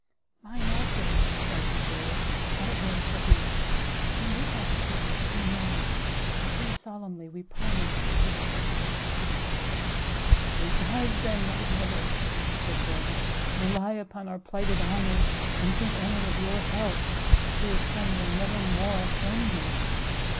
"Mine, also," cried Cecilia, "that will shall be; you need not speak it, we know it, and here solemnly we promise that we will separate for ever." "Revive, then, my mother," said Delvile, "rely upon our plighted honours, and think only of your health, for your son will never more offend you."